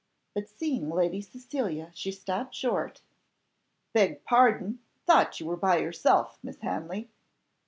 But seeing Lady Cecilia, she stopped short "Beg pardon thought you were by yourself, Miss Hanley."